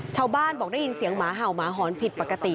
ชาวบ้านบอกได้ยินเสียงหมาเห่าหมาหอนผิดปกติ